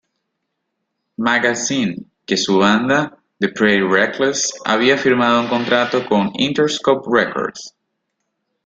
Magazine" que su banda, The Pretty Reckless, había firmado un contrato con Interscope Records.